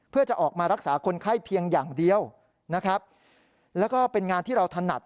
เพื่อจะออกมารักษาคนไข้เพียงอย่างเดียวนะครับแล้วก็เป็นงานที่เราถนัด